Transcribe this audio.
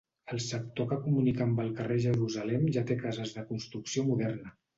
El sector que comunica amb el carrer Jerusalem ja té cases de construcció moderna.